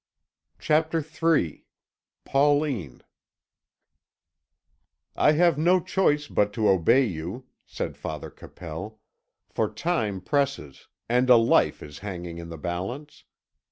CHAPTER III PAULINE "I have no choice but to obey you," said Father Capel, "for time presses, and a life is hanging in the balance.